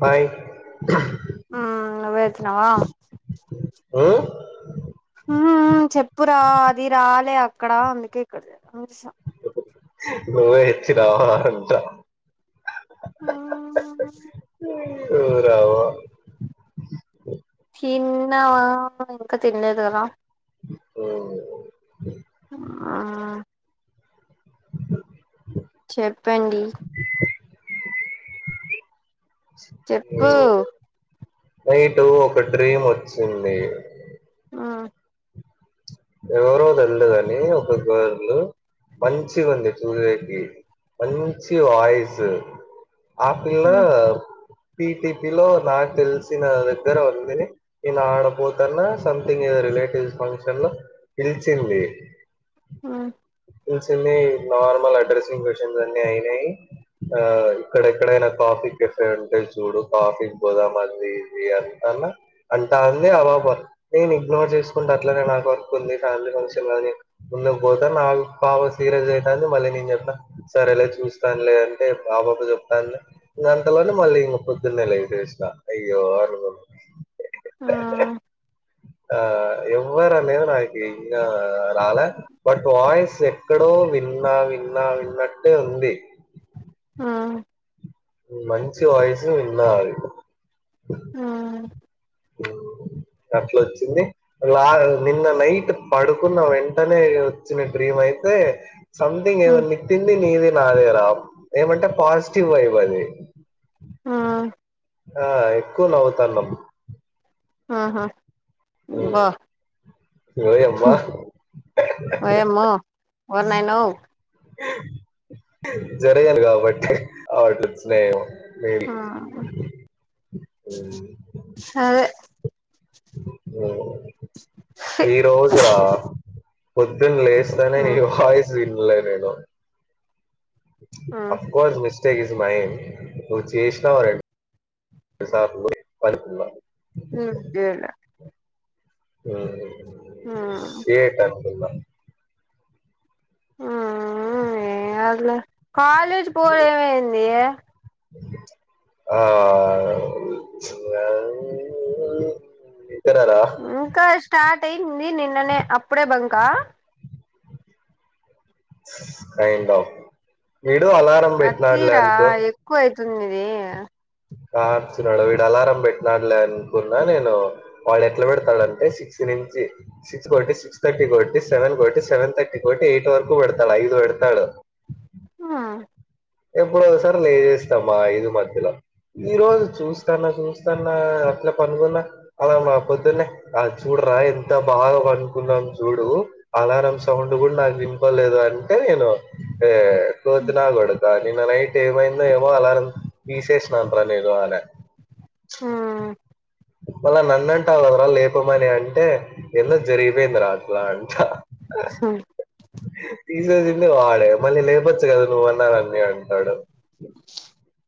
Hi ఉమ్ నువ్వే అచ్చినవా? ఉం? ఉమ్ చెప్పురా అది రాలే అక్కడ అందుకే ఇక్కడ చే నువ్వే ఇచ్చనావా అంట ఉమ్ రావ తిన్నా ఇంకా తినలేదు కదా? మ్మ్ ఆ చెప్పండి? చెప్పు నైటు ఒక డ్రీమ్ వచ్చింది. ఆ ఎవరో తెల్దు గని, ఒక గర్లు మంచిగుంది చూసేకి, మంచి వాయిస్ ఆ పిల్ల మ్మ్ పి టి పి లో నాకు తెలిసిన దగ్గర ఉంది. నేను ఆడపోతన్నా సంథింగ్ ఏదో రిలేటివ్స్ ఫంక్షన్ లో పిలిచింది. ఉమ్ పిలిసింది నార్మల్ అడ్రస్సింగ్ కొషెన్స్ అన్ని అయినయ్. ఆ ఇక్కడెక్కడైనా కాఫీ కెఫే ఉంటే చూడు, కాఫీ పోదామంది ఇది అది అన్న అంటా అంది, అనాబర్ నేను ఇగ్నోర్ చూసుకుంట అట్లనే మాట్ అంది కాలు కలిసినాది, ఉందక పోత నాకు పాప సీరియస్ అవుతాంది, మళ్ళీ నేను చెప్పన సరేలే చూస్తాను లే అంటే ఆ పాబ చెప్తాన్ది లె ఇగ అంతలోనే మళ్ళీ ఇంగ పొద్దున్నె లైట్ ఏస్నా అయ్యో అనుకున్ ఉమ్ ఆ ఎవ్వర లేవు నాకి ఇంగా రాల బట్ వాయిస్ ఎక్కడో విన్నా, విన్నా, విన్నట్టే ఉంది. ఉమ్ మంచి వాయిస్ విన్న ఉమ్ అట్ల ఒచ్చింది ఆ నిన్న నైట్ పడుకున్న వెంటనే వచ్చిన డ్రీమ్ అయితే సంథింగ్ ఏదో మ్మ్ నెట్టింది నీది నాదేరా ఏమంటే పాజిటివ్ వైబ్ అది ఆ ఆ ఎక్కువ నవ్వుతాన్నం ఆహ ఉమ్ ఓయమ్మ ఓయమ్మో ఓరి నాయనో జరిగాలి కాబట్టి ఆడోచ్చినాయేమో ఆ మేబీ సరే ఈ రోజు రా పొద్దున్న లేస్తానే నీ మ్మ్ వాయిస్ విన్లే నేను of course miss. Mistake is mine నువ్వు చేసినావ్ అనట్లే [unintelligible] ఇ గేలా. మ్మ్ సిఏట అనుకుందాం. ఆహ్ ఏం కాదులే కాలేజ్ పోతే ఏం అయింది ఆహ్ వచ్చు [unintelligible] ఇక్కడ రా. ఇంకా స్టార్ట్ అయింది నిన్ననే అప్పుడే బంక్ ఆహ్. కైండ్ ఆఫ్ మీరు అలారం. మీరు ఇట్లా అట్లా అతిరా అనుకొని. ఎక్కువ అవుతుంది మీది. ఆహ్ కుర్చున్నాడు వీడు అలారం పెట్టినాడులే అనుకున్నా నేను. వాడు ఎట్లా పెడతాడంటే సిక్స్ నుంచి సిక్స్ బట్టి సిక్స్ థర్టీకి పెట్టి సెవెన్ కొకటి సెవెన్ థర్టీ కొకటి ఎయిట్ వరకు పెడతాడు ఐదు పెడుతాడు. ఆహ్. ఎప్పుడోకసారి లేస్తాం మా ఐదు మధ్యలో. ఈ రోజు చూస్తాన్న చూస్తాన్న అట్లా పనుకున్న అలారం మా పొద్దున్నే. ఆహ్ చూడరా ఎంత బాగా పనుకున్నాం చూడు. అలారం సౌండ్ కూడా నాకు వినపడలేదు అంటే నేను ఆహ్ కోతి నాకోడుదు కానీ నిన్న నైట్ ఏమైందో ఏమో అలారం తీసేసిన రా నేను అనే. మళ్ళా నన్ను అంటావు కదరా లేపమని అంటే ఏందో జరిగిపోయింది రా అట్లా అంట సాయిన. తీసేసింది వాడే మళ్ళీ లేపోచ్చు కదా నువ్వు అన్నా అనీ అంటాడు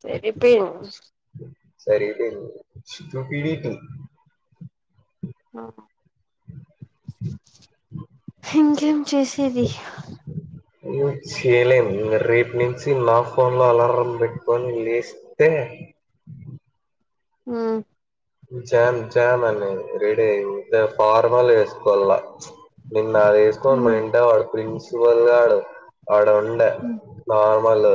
సరిపోయింది. సరిపోయింది నువ్వు టీవీ చూడు. ఉమ్ ఇంకేం చేసేది. నువ్వు చేయలేము రేపు నుంచి నా ఫోన్ లో అలారం పెట్టుకొని లేసి. తె ఉమ్. ఉమ్ శామ్ శామ్ అని అన్నాడు రెడీ అయింది ఫార్మల్ వేసుకోవాల ప్చ్. నిన్న అది వేసుకోని మా వేంట వాడు ప్రిన్సిపల్గాడు. అడ అది ఉండే ఫార్మల్.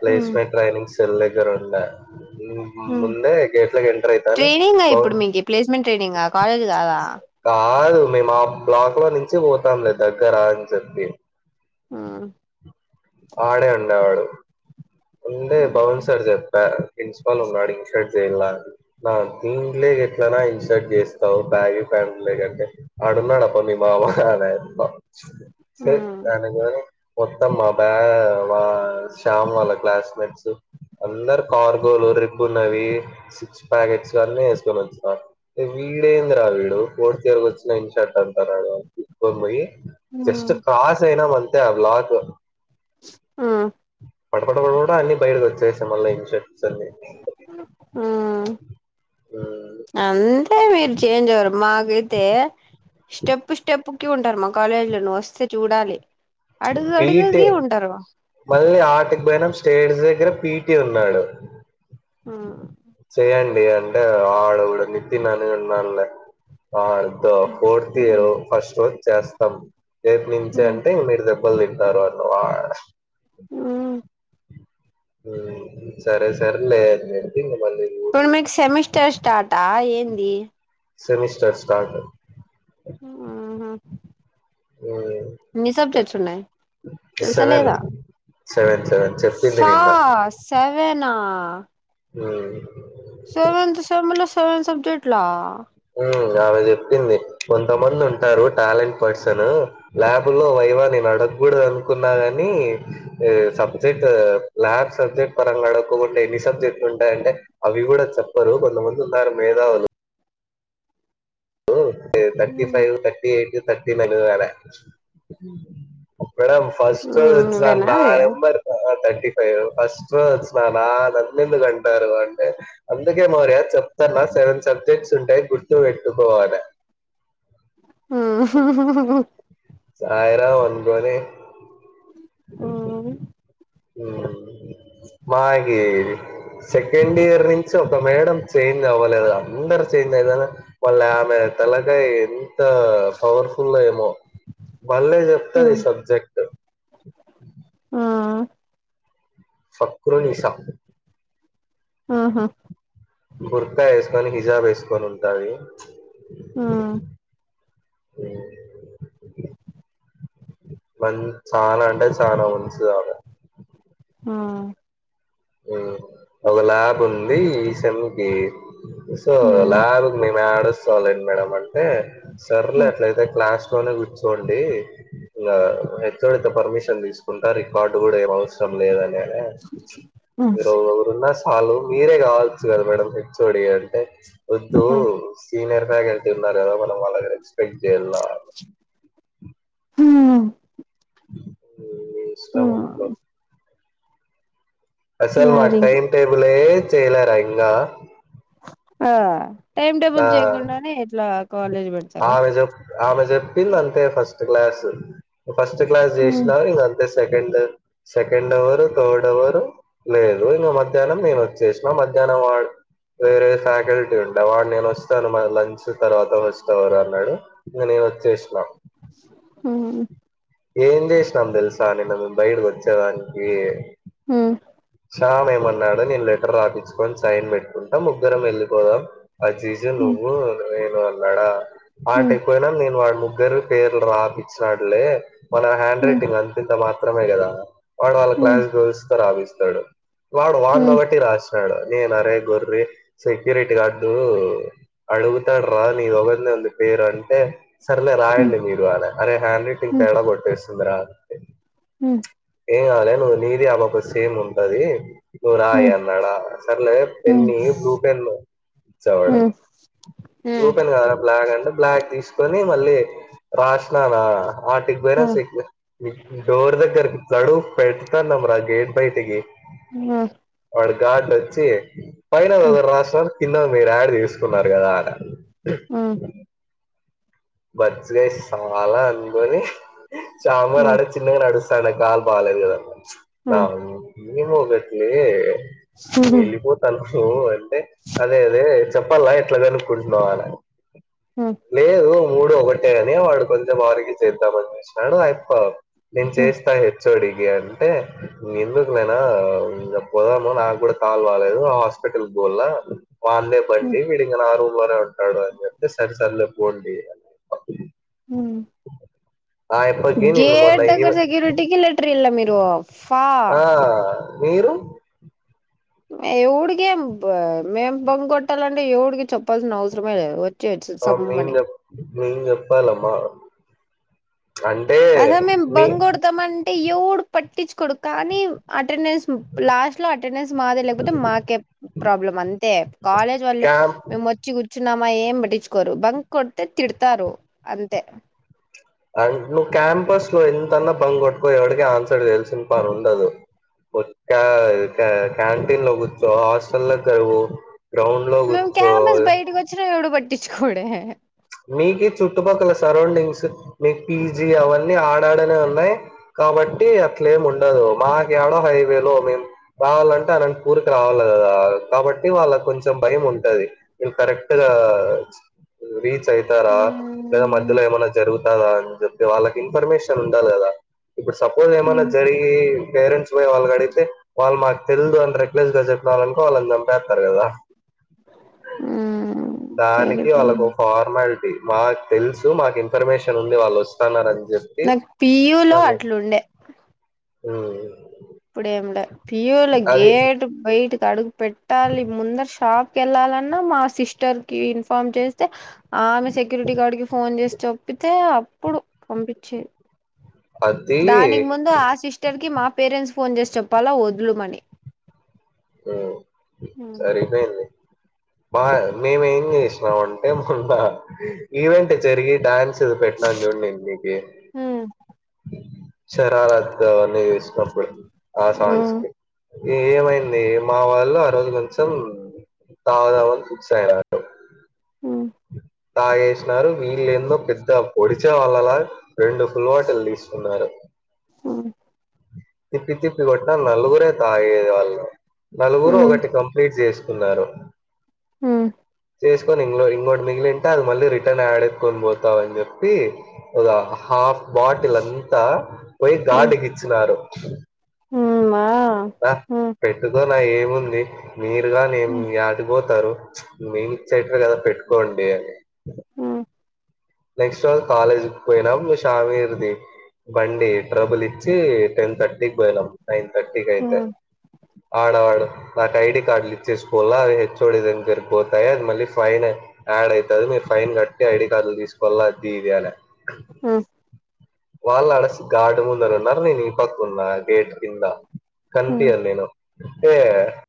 ప్లేస్మెంట్ ట్రైనింగ్ సెల్ దగ్గర ఉండే ముందే గ ట్రైనింగ్ గా ఇప్పుడు మీకు ప్లేస్మెంట్ ట్రైనింగ్ గా కాలేజ్ కాదా. కాదు మేము ఆ బ్లాక్ లో నుంచి పోతాంలే దగ్గర అని చెప్పి. ఉమ్. ఆడే ఉండేవాడు. ఉందే బాన్ సార్ చెప్ప ప్రిన్సిపాల్ ఉన్నాడు ఇన్ షర్ట్ చేయలా. ఆహ్ దీంట్లోకి ఎట్లన్నా ఇన్ షర్ట్ చేస్తావు బ్యాగీ ప్యాంట్ లేగి అంటే అడున్నాడప్ప నీ మామ అన్నాడు. సే అని మొత్తం మా బ్యాగ్ శ్యామ్ వాళ్ళకు. క్లాస్మేట్స్ అందరు కార్గోలు రిపునవి. సిక్స్ ప్యాకెట్స్ అన్ని వేసుకొని వచ్చారు. వీడేంది రా వీడు ఫోర్త్ ఇయర్ వచ్చిన ఇన్ షర్ట్ అంటన్నాడు ఇప్పుకొని బోయి జస్ట్ క్రాస్ అయినా మంతే ఆ బ్లాక్ ఆ పటపట పట అన్ని బయటకి వచ్చేసినయ్ మళ్ళ ఇన్షెట్స్ అన్ని ఆ అంతే మీరు చేంజ్ అవ్వరు మాకే తే స్టెప్ స్టెప్ కి ఉంటారు మా కాలేజీలో నువ్వు వస్తే చూడాలి అడుగు పీటే అడుగుకి ఉంటారు మళ్ళీ ఆటికిబోయినం స్టేజి దగ్గర పీటీ ఉన్నాడు ఆ చెయ్యండి అంటే ఆడ గూడా నితిన్ అనే ఉన్నాడులే ఆడు ఫోర్త్ ఇయర్ ఫస్ట్ రోజు చేస్తాం రేప్ నుంచే అంటే మీరు ద మళ్ళీ తర్వాత వాడ్ ఉమ్ ఉమ్ సరే సరేలే అని జెప్పి ఇగ మళ్ళీ ఇప్పుడు మీకు సెమిస్టర్ స్టార్టా ఏంది సెమిస్టర్ స్టార్ట్ ఉమ్ హు ఎన్ని సబ్జెక్ట్స్ ఉన్నాయి తెలుసా సెవెన్ లేదా సెవెన్ సెవెన్ చెప్పింది సా సెవెనా ఉమ్ సెవెంత్ సెమ్ లో సెవెన్ సబ్జెక్టు లా ఉమ్ ఆమె జెప్పింది కొంతమంది ఉంటారు టాలెంట్ పర్సను లా బ్ లో వైవా నేను అడగూడదు అనుకున్నా గాని సబ్జెక్ట్ ల్యాబ్ సబ్జెక్ట్ పరంగా అడక్కపోతే ఎన్ని సబ్జెక్ట్లు ఉంటాయంటే అవి గూడా చెప్పరు కొంద మంది ఉన్నారు మేధావులు ఏ thirty five thirty eight thirty nine madam first వచ్చిన నువ్వేనా నా అది నెంబర్ ఆ థర్టీ ఫైవ్ ఫస్ట్ రోజు వచ్చి నా నన్ను ఎందుకు అంటారు అంటే అందుకే మొరియా చెప్తున్న సెవెన్ సబ్జెక్ట్స్ ఉంటాయి గుర్తుపెట్టుకోవాలే ఉమ్ హు హు సాయిరాం అనుకొని ఉమ్ మాకి సెకండ్ ఇయర్ నుంచి ఒక మేడం చేంజ్ అవ్వలేదా అందరు చేంజ్ అయితారు వాళ్ళ ఆమె తలకాయ ఎంత పవర్ఫుల్ ఏమో బల్లె జెప్తది సబ్జెక్ట్ ఆ సక్రోనిసా ఆహా బుర్కా యేసుకొని హిజాబ్ యేసుకొని ఉంటాది ఉమ్ ఉమ్ మంచ్ చాలా అంటే చాలా మంచిది ఆవిడ ఆ ఉమ్ వాళ్ళ ల్యాబ్ ఉంది ఈ సమ్ కి సో ల్యాబ్ కి మేం య్యాడ వస్తాం లేండి మేడం అంటే సరేలే ఆహా. అట్లయితే క్లాస్ లోనే కూర్చోండి ఇంగ హెచ్ఓడి తో పర్మిషన్ దీసుకుంటా రికార్డు గూడా ఏం అవసరం లేదని మీరు ఒకరున్నా సాలు మీరే కావచ్చు కదా మేడం హెచ్‌ఓడి అంటే వొద్దు సీనియర్ ఫ్యాకల్టీ ఉన్నారు కదా మనం వాళ్ళ్ రెస్పెక్ట్ చెయ్యలా అ నీ ఇష్టం ఇంగ అసలు మా మరి టైమ్ టేబులే చేయలేరా ఇంగా ఆ టైమ్ ఆ! టేబుల్ చేయకుండానే ఎట్లా కాలేజ్ పెడతారు ఆమె చెప్ ఆమె చెప్పింది అంతే ఫస్ట్ క్లాస్ ఫస్ట్ క్లాస్ చేసినారు ఇంగ అన్ ఇంగ second second hour third hour లేదు ఇంగ మధ్యాహ్నం నేను వచ్చేసిన మధ్యాహ్నం వా వేరే ఫ్యాకల్టీ ఉండ వాన్ నేను వస్తాను మా లంచ్ తర్వాత ఫస్ట్ అవర్ అన్నాడు ఇంగ నేను వచ్చేసినా ఆ ఏం చేసినామ్ తెల్సా నిన్న బయడ్కి వచ్చేదానికి హ్మ్ శామ్ ఏమన్నాడు నేను లెటర్ రాపించుకోని సైన్ పెట్టుకుంటాం ముగ్గురం వెళ్ళిపోదాం అజీజు నువ్వు నేను అన్నాడా ఆటికిపోయినాం నేను వాడ్ ముగ్గురు పేర్లు రాపిచ్చినాడులే మన హ్యాండ్ రైటింగ్ అంత ఇంత మాత్రమే కదా వాడు వాళ్ళ క్లాస్ గర్ల్స్ తో రాపిచ్చినాడు వాడు వాన్ ది ఒకటి రాస్ కా నేన్ అరే గొర్రీ సెక్యూరిటి గార్డు అడుగుతారు రా నీది ఓగనే ఉంది పేరు అంటే సర్లే రాయండి మీరు అనా అరే హ్యాండ్ రైటింగ్ తేడా కొట్టేస్తుంది రా అంటి మ్ ఏం కద్లే నువ్వు నీది ఆ పాపా ది సేమ్ ఉంటది నువ్ రాయి అన్నాడా సర్లే పెన్ని బ్లూ పెన్ ఇచ్చా వాడు బ్లూ పెన్ కద్ రా అంటే బ్లాక్ తీస్ కొని మళ్ళీ రాసినాన ఆటికి పోయిన సేక్ డోర్ దెగ్గర ఇట్లా అడుగు పెడతానం రా గేట్ బయటికి ఇంగా వాడు ఘాట్ వచ్చి పైనది ఒకరు రాసిన కింద మీరు యాడ్ చేసుకున్నారు కదా అనా ఆ బచ్చగాయ్ సాలా అనుకోని శామ్ గాడ్ ఆడ వచ్ చిన్నగా నడుస్తా ఉన్న కాలు బాలేదు కదన్న నం ఏదో ఒకట్లే వెళ్ళిపోతాన్నావు అంటే అదే అదే చెప్పాలా ఎట్లా కనుక్కుంటున్నావు అని అ లేదు మూడు ఒకటే అని వాడు కొంచెం ఆర్గ్యూ చేేద్దాం అని చూస్ నాడు అయప్ప నేను చేస్తానిట్ చూడి ఇగ అంటే ఎందుకు నానా ఇంగ పోదాము నాకు కూడా కాల్ బాలేదు హాస్ స్పిటల్ పోలా వాళ్లే బండి వీడి ఇంగ నా రూమ్ లోనే ఉంటాడు అని చెప్తే సరిసర్లే పోండి హ్మ్ ఆ అయప్ప కి నిన్న దగ్గర మొన్నయిను సెక్యూరిటీకి లెటర్ ఇల్ల మీరు ఫా ఆ మీరు ఎవుడికి ఏం మేం బంక్ కొట్టాలంటే ఏవడికి చెప్పాల్సిన అవసరమే లేద్ వ ఆ మేం చెప్ మేం చెప్పాలమా అంటే మీ తం అంటే ఎవడు పట్టించుకోడు కానీ అటెండెన్స్ లాస్ట్ లో అటెండెన్స్ మాదే లేకపోతే మాకే ప్రాబ్లం అంతే కాలేజ్ వాళ్ళు క్యాంప్ మేము వచ్చి కూర్చున్నామా ఏం పట్టించుకోరు బంక్ కొడితే తిడతారు అంతే అన్ నువ్వు క్యాంపస్ లో ఎంతన్నా బం కొట్టుకో ఎవడికి ఆన్సర్ చేయాల్సిన పని ఉండదు [unintelligible] క్యాంటీన్ లో కూర్చో హాస్టల్ దగ్గరి పో గ్రౌండ్ లో కూర్చో చ్చిన ఎవడు పట్టించుకోడు మీకీ చుట్టుపక్కల సరౌండింగ్స్ మీకు పీజీ అవన్నీ ఆడాడనే ఉన్నాయి కాబట్టి అట్లేమి ఉండదు మాకి ఆడ హైవేలో మేం రావాలంటే అనంతపూర్ కి రావాల కదా కాబట్టి వాళ్ళకి కొంచెం భయం ఉంటది. ఇల్ కరెక్ట్ గా తయితారా లేదా ఉమ్ మధ్యలో ఏమైన్నా జరుగుతాదా అని చెప్పి వాళ్ళకి ఇన్ఫర్మేషన్ ఉండాల కదా. ఇప్పుడు సపోజ్ ఏమన్నా ఉమ్ జరిగి పేరెంట్స్ పోయి వాళ్ళనీ అడిగితే వాళ్ళు మాకు తెలుదు అని రెక్లెస్ గా చెప్పినళ్నుకో వాళ్ళని చంపేస్తారు కదా. ఉమ్, దానికి వాళకు సరిపోయింది ఫార్మాలిటీ మాకు తెలుసు, మాకు ఇన్ఫర్మేషన్ ఉంది వాళ్ళు వస్. స్తన్నారని అని చెప్పి నాకు పియులో అట్లుండే హు పియూల గేట్ బయటకి అడుగు పెట్టాలి ముంద షాప్ కి వెళ్ళాలన్నా మా సిస్టర్ కి ఇన్ఫార్మ్ చేస్తే ఆమె సెక్యూరిటీ గార్డ్ కి ఫోన్ చేసి చెప్పితే అప్పుడు పంపించే. అది దానికి ముందు ఆ సిస్టర్ కి మా పేరెంట్స్ ఫోన్ చేసి చెప్పాల వద్లుమని. హా సరిపోయింది బా మేమేం చేసినాము అంటే మొన్న ఈవెంట్ జరిగి డ్యాన్స్ ది పెట్టినాను చూడు నేను నీకి హు శరారద్దు అవన్నీ తీసినప్పుడు ఆ సాంగ్స్ కు ఏమైంది మా వాళ్ళు ఆ రోజు కొంచెం తాగుదామని ఫిక్స్ అయ్యినట్టు హ్ తాగేసినారు వీళ్ళు ఏందో పెద్ద పొడిచేవాళ్ళలా రెండు ఫుల్ వాటిల్ తీసుకున్నారు హు తిప్పి తిప్పి కొట్టన నలుగురే తాగేది వాళ్ళు నలుగురు ఒకటి కంప్లీట్ చేసుకున్నారు హ్మ్ చేసుకొని ఇంగ్లో ఇంకోటి మిగిలింటే అది మళ్ళీ రిటర్న్ యాడ్ ఎయికొని పోతా అని చెప్పి ఒక హాఫ్ బాటిల్ అంతా పోయి గార్డ్ కిచ్చినారు హుమ్మా హు పెట్టుకో నా ఏముంది మీరుగానేమి యాడిపో మీనే చెటర్ కదా పెట్టుకోండి అని హు నెక్స్ట్ రోజు కాలేజ్ కి పోయినాం షామ్ ఇరుది బండి ట్రబుల్ ఇచ్చి టెన్ థర్టీకి పోయిలాం నైన్ థర్టీకి అయితే ఆడ్ ఆడ్ వాటి ఐడి కార్డ్లు ఇచ్చేసుకొల్ల అవి హెచ్ ఓ డి దన్ పెరి పోతాయి అది మళ్ళీ ఫైన్ యాడ్ అయితది మీరు ఫైన్ కట్టి ఐడి కార్డులు తీసుకోవాల అది ఇది అన హ్ వాళ్ళు అడసి గాడ్ ముందర ఉన్నారు. నేను ఈ పక్క ఉన్నా గేట్ కింద. మా కనీపీయను నేను అంటే